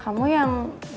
kamu yang dari apa